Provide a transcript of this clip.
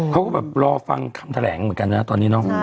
เขาก็แบบรอฟังคำแถลงเหมือนกันนะตอนนี้เนาะ